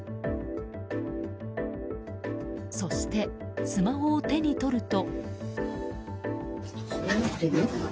そして、スマホを手に取ると。